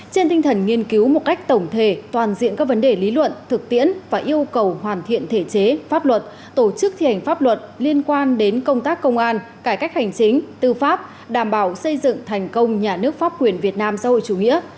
trên tinh thần nghiên cứu một cách tổng thể toàn diện các vấn đề lý luận thực tiễn và yêu cầu hoàn thiện thể chế pháp luật tổ chức thi hành pháp luật liên quan đến công tác công an cải cách hành chính tư pháp đảm bảo xây dựng thành công nhà nước pháp quyền việt nam xã hội chủ nghĩa